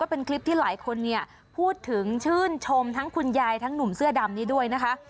เป็นคลิปที่หลายคนเนี่ยพูดถึงชื่นชมทั้งคุณยายทั้งหนุ่มเสื้อดำนี้ด้วยนะคะ